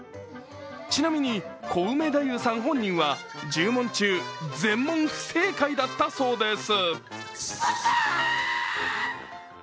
ちなみに、コウメ太夫さん本人は１０問中、全問不正解だったそうです。